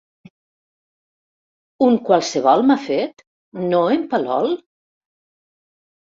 Un qualsevol m'ha fet, no en Palol?